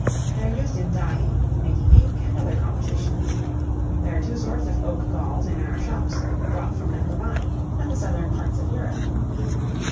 They are used in dyeing, making ink, and other compositions. There are two sorts of oak galls in our shops, brought from the Levant, and the southern parts of Europe.